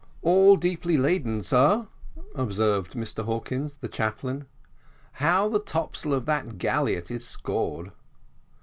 "All deeply laden, sir," observed Mr Hawkins, the chaplain; "how the topsail of the galliot is scored!"